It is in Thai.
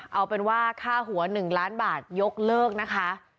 เอาเป็นว่าค่าหัว๑ล้านบาทยกเลิกนะคะ